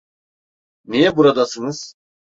Niye buradasınız?